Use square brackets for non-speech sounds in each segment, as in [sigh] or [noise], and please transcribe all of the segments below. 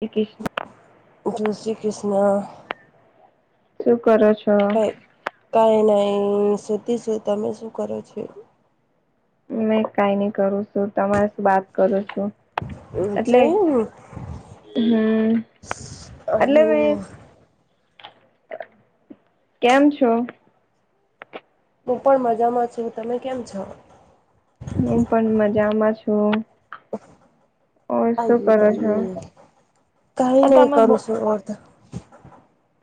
શ્રી કૃષ્ણ. જય શ્રી કૃષ્ણ શું કરો છો? કઈ કઈ નઈ સુધી શું તમે શું કરો છો? નહી કઈ નઈ કરું છું તમારે શું બાત કરું છું. એટલે જઈન હમ્મ. [unintelligible] કેમ છો. હું પણ મજામાં છું તમે કેમ છો. હું પણ મજામાં છું. ઓ શું આઈરે કરો છો બાઈ કઈ અ નહી તમે કરું છું ઓરર્ધ.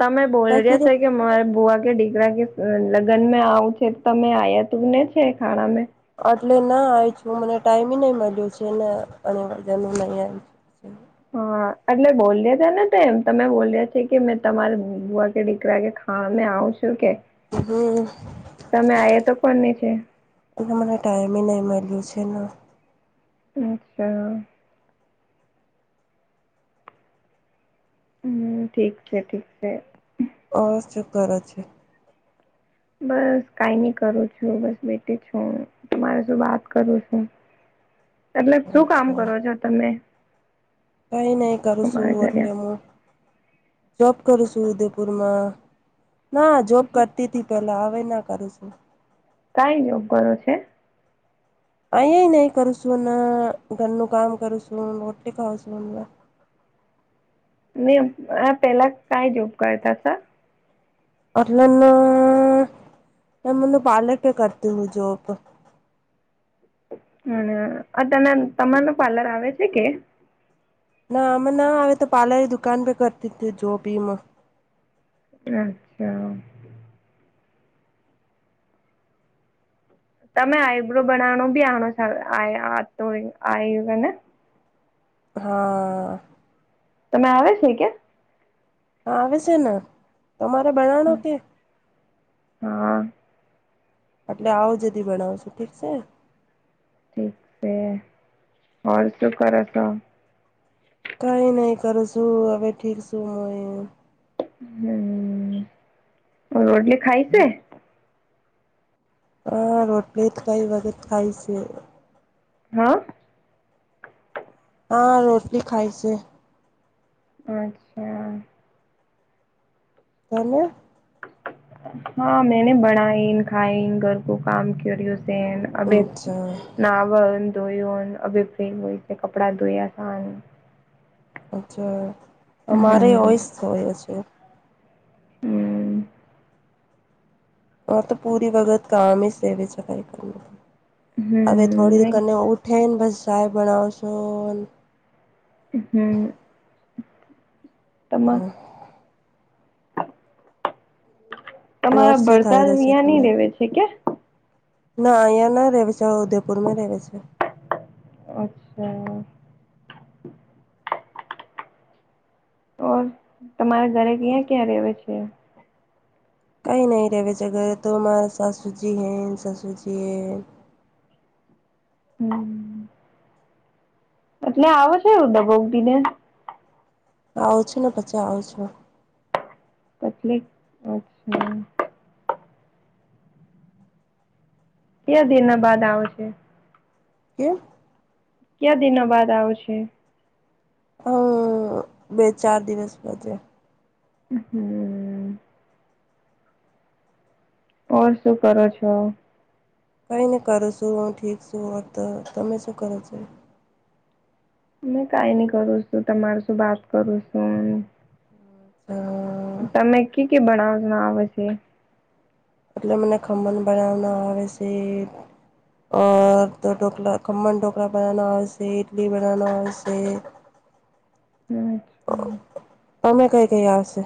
તમે બોલર સ કે મા બુવા. દીકરા કે લગ્નમાં આવું છે તમે આયા તું ને છે ખાણા. એટલે ના આવી છું મને ટાઈમ નહી મળ્યો છે ને અને વજનું નહી આવી. હા એટલે બોલ્યા થે ન તે તમે બોલ્યા છે કે મેં તમારા બુવા કે દીકરા કે હા અમે આવ છું કે. હમ. તમે આયા તો કોની છે એલે મને ટાઈમ નહી મળ્યું છે ને. અચ્છા. હ ઠીક છે ઠીક છે. ઓ શૂ કર છે. બસ કઈ નઈ કરું છું બસ બેઠ છું તમારે શું વાત કરું છું. એટલે શું કામ અચ્છા કરો છો તમે. કઈ નહી કરું છું તમારા ઘરે એટલે હું. જોબ કરું છું ઉદેપુરમાં ના જોબ કરતી થી પેલા આવે ના કરું છું. કાઈ જોબ કરો છે. અ નહી કરું છું ન ઘરનું કામ છું ન રોકી ખાઉ છું ન વા. ની આ પહેલા કાઈ જોબ કરતા તા. અઠલૈ ન મન પાલર ત કરતીવ જોબ તો. અ તને તમાર ન પાર્લર આવે છે કે ના મન ના આવે તો પાર્લર રે દુકાન ને કરતી હતી જોબ યુ અચ્છા તમે આઈબ્રો બનાવવાનો બી આણો ચાવે આવતો વેઇ આય [unintelligible] હા. તમે આવે છે ક્યાં હા આવે છે ને તમારે બનાવણો કે હા. એટલે આવો જદી બણાવશો ઠીક છે. ઠીક છે ઓર શું કરો છો કઈ નહી કર છું હવે ઠીક શું મુ ય હમ્ રોટલી ખાઈ છે. અહ રોટલી જ [unintelligible] હા. હા રોટલી ખાઈ છે. અચ્છા. તમે હા મેને બનાય ખાાઈન ઘર કો કામ કર્યો છે ન અભી અચ્છા નાવ ધોયન અભી ફિ ય વ ઇ કપડા ધોયા તા ન અચ્છા અમારે હમ હોયસ [unintelligible] હોય છે. હમ્ તો પૂરી વગત કામ [unintelligible] [inaudible] હવે થોડી [inaudible] [unintelligible] [inaudible] હમ બણાવસો [unintelligible] [inaudible] ઓર તમારા શું થઈ ભરતાલ રહ્યું છે અહિયાં ની તમારે રેવે છે કે ના અહીંયા ના રેવે છે ઉદયપુમાં રવૈ છે. અચ્છા. ઓર તમારા ઘરે ક્યાં ક્યાં ર રહેવે છે. કઈ નહી રહેવે ઘરે તો મ્હારા સાસુજી હૈ સસુરજી હૈ એટલે આવો છે એવું [unintelligible] આવ છું ને પછી આવું છું [unintelligible] અચ્છા કે [unintelligible] બાદ આવે છે કે કયા દિના બાદ આવું છે હ બે ચાર દિવસ મજે [unintelligible] ઓર શું કરો છો કઈને કરો છું હું ઠીક છું તો તમે શું કરો છો મે કઈ ન કરું છું તમાર શું વાત કરું છું [unintelligible] તમે કે કે બણાવ આવે છે એટલે મને ખમણ બનાવના આવે છે [unintelligible] ઢોકરા ખમણ ઢોકલા બનનાા હોશે ઇડલી બનના [unintelligible] [inaudible] [unintelligible] કઈ કઈ આવશે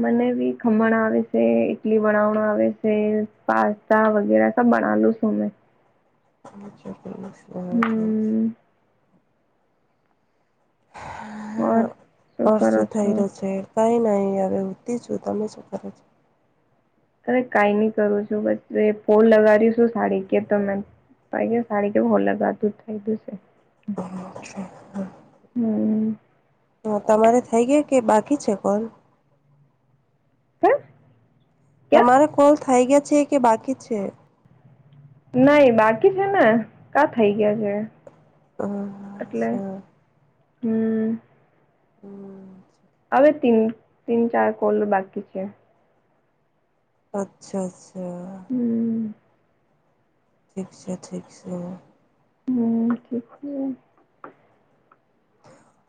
મને બી ખમણ આવે છે ઈટલી બનાવાણ આવે છે પા તા વગેરે સબ બનાલું છુંમે અચ્છા છે હમ ઓર હ શું અરસ કરો થય છો? રહ્યો છે કાંઈ નહીં હવે ઉતી છું તમે શું કરો છો અરે કઈ નહી કરું છું બછ ફોલ લગાવ્યુંશું સાડી કે તમે ભાઈ સાડી કેવું અલગાતું થાયું છે હમ હ હા તમારે થઈ ગયા કે બાકી છે કોણ હા તમારે કોલ થઇ ગયા છે કે બાકી છે નઈ બાકી છે ને કા થઈ ગયા છે હમ એટલે હમ હમ હવે તીન તીન ચાર કોલર બાકી છે અચ્છા અચ્છા હમ ઠીક છે ઠક છે હમ ઠીક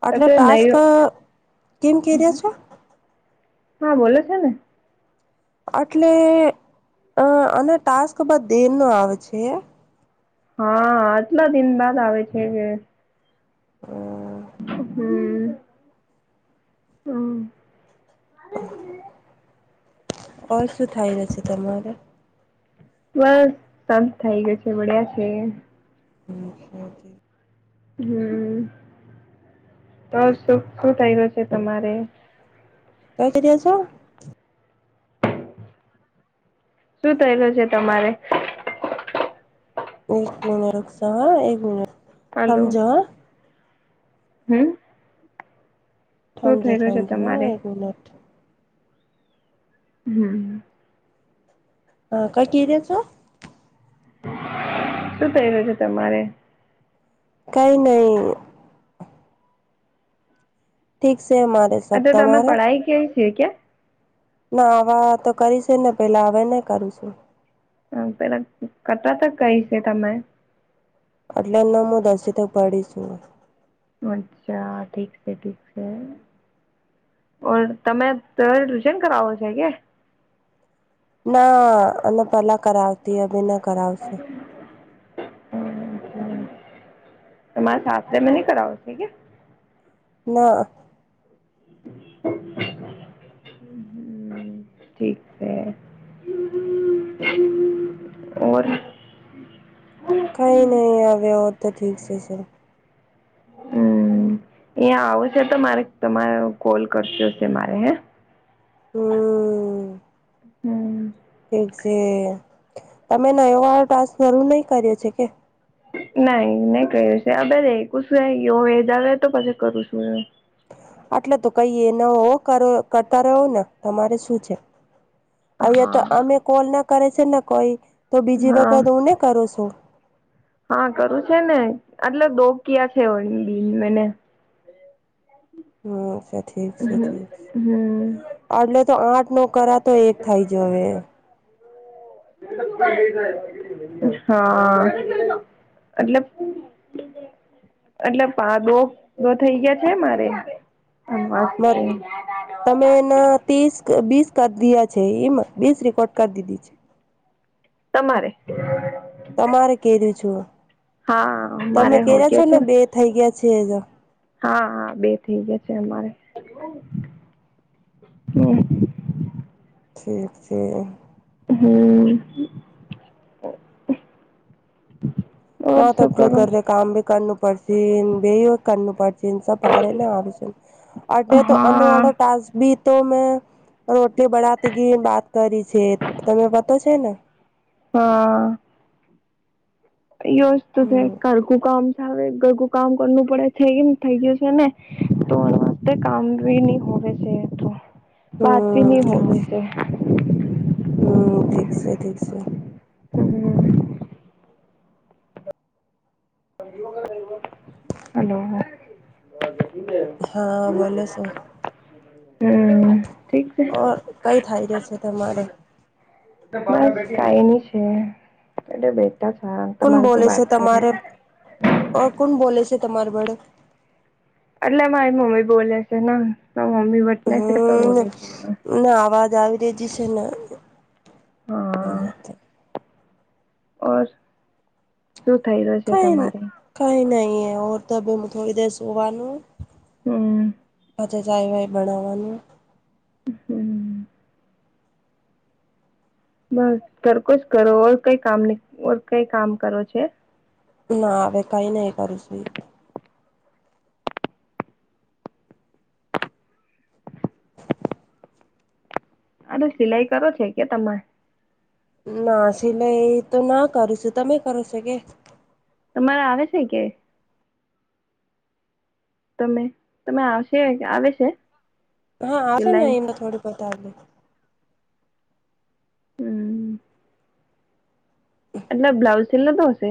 એટલે ટાસ્ક કેમ કે્યા છે હા બોલો છેો ને એટલે અ અને ટાસ્ક બદ દેર નો આવે છે હા આટલા દિન બાદ આવે છે કે હ હમ હમ [inaudible] ઓ શું થાય જ છે તમારે બસ સંત થઈ ગયો છે બ્યા છે મુખથી હમ બ સુખ શું થઈય છે તમારે તમે કેટતે આવ છો શું થયેલું છે તમારે એક ક મને રૂકસ હો એક મિનટ હાલો હમ શું સમંજે થઈ રહ્યું છે સમંજો હા તમારે એક મિનટ હમ અ કઈ ક ત છ શું થઈ રહ્યું છે તમારે. કઈ નહી. ઠીક છે હ અ તો તમે પઢાઈ ક છીએ ક્યા ના આવા તો કરી છે ને પેલા હવે નઈ કરું છું હ પેલા કટા તક કઈ છે તમે એટલેને હું દસી તક પડીશું અચ્છા ઠીક છે ઠીક છે ઓ તમે ત ટ્યુશન કરાવો છે કે ના અને પલા કરાવ બ હમરે સાથેે મ ન કરાવો ના હ. ઠીક છે. ઓર. કઈ નહીં આવેવે હો તો ઠીક છે સર. હમ. એ આવો છે તો મારે તમારે કોલ કરજ હશે મારે હે. હમ્મ. હમ. ઠીક છે તમે નવો ટાસક જરૂર નહી કર્યો છે કે. નાઈ નહી કય્યું છે હ રેું શું વ એજ આવે તો પછી કરું શું. આટલે તો કઈ એ ન હો કર કરતા રહો ને તમારે શું છે. અહંયા તો હા અમે કોલ ના કરે છે ને કોઈ તો બીજી હા વખત હુંને કરું છું. હા કરું છે ને આટલે દોગયા છે બ મેને. હ અ્છા ઠીક છે ઠીક છે હમ અટલે તો આઠ નો કર. તો એક થાય જ હવે. હા. મતલબ. એટલે પા દો દો થઇ ગયા છે મારેસ્. તમે એના ત્રીસ બીસ કરી દયા છે એમાં બીસ રેકોર્ડ કરી દીધી છે. તમારે. તમારે કે્યું છું હા તમે મારે હો કે્યા છો ગયા છે ને બે થઈ ગયા છે. હા હા બે થઈ ગયા છે અમારે હમ. ઠીક છે. હમ. ઓર માત શું કરો અટલર ક આંબી કણું પડશ બેક કું પડ. જ ભારે ના આવી છે એટલે તો હા અનોવાળો ટાબી. તો મેં રોટલી બળતી ગી વાત કરી છે તમે પતો છે ને. હા. વસ્તુ છે હમ ઘરકું કામ છે ઘરકું કામ કરું પડે થ કેમ થઇ ગયું છે ને. તો વાસ્તે કામ ભ નહી હોવે છે એ તો વાત ભ હમ નહી હોવે છે. હમ્મ ઠીક છે ઠીક છે. હમ્મ હલો. હા બોલો શું હમ્મ ઓર કઈ થાય રયા છે તમારે. બસ કઈ ની છે એ બેઠા છા તમારે શું વાત કરે છે. અ કોણ બોલે છે તમાર વડે એટલે અ મારી મમ્મી બોલે છે મમ્મી વતને છે કે તો હમ બોલે છે. ના અવાજ આવી રીજ છે ને હા ઓર શું થઈ રહ્યું છે કઈ તમારે. કઈ નહીં હતું થોડી દેર સુવાનું. હમ ચાય વાઈ બનાાવવાનું. હમ્મ બસ ઘરકો જ કરો ઓર કઈ કામ ન ઓર કઈ હુંનહીં કામ કરો છે. ના વે કઈ નહી કરુંસી. ને સિલાઈ કરો છે કે તમે. ના સિલાઈ તો ના કરું છું તમે કરો છો કે. તમારે આવે છે કે. તમે તમે આવશે આવે છે. હા આશે સિલાઈ નહીં મેં થોડી બતાલી. હમ એટલે બ્લાઉઝ સિલર તો હશે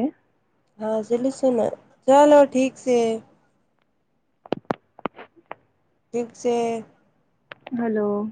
હા ચલું સીલુ છે ને ચાલો ઠીક છે ઠીક છે હલો